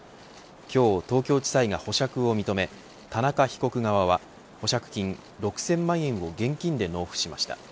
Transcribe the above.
今日、東京地裁が保釈を認め田中被告側は保釈金６０００万円を現金で納付しました。